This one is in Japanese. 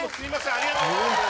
ありがとうございます。